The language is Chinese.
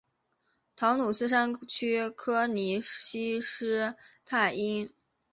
陶努斯山区柯尼希施泰因是德国黑森州霍赫陶努斯县的一个市镇。